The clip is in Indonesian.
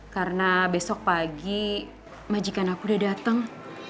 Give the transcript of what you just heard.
karena besok pagi majikan aku udah dateng